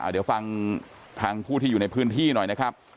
เดี๋ยวฟังทางผู้ที่อยู่ในพื้นที่หน่อยนะครับ